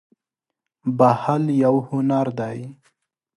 • بښل یو هنر دی.